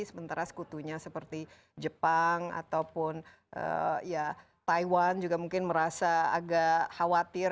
sementara sekutunya seperti jepang ataupun ya taiwan juga mungkin merasa agak khawatir